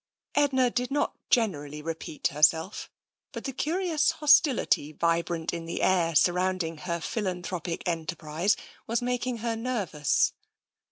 Edna did not generally repeat herself, but the curious hostility vibrant in the air surrounding her philan thropic enterprise was making her nervous.